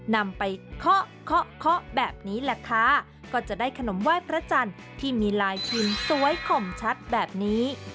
นำไปเคาะเคาะเคาะแบบนี้แหละค่ะก็จะได้ขนมไหว้พระจันทร์ที่มีลายทุนสวยข่มชัดแบบนี้